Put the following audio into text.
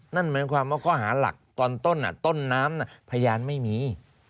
นั่นหมายความว่าข้อหาหลักตอนต้นต้นน้ำพยานไม่มี